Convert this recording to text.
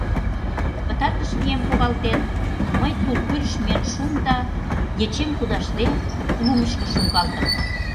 Пытартыш вием погалтен, мый тул тӱрыш миен шуым да, ечем кудашде, лумышко шуҥгалтым.